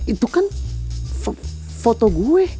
itu kan foto gue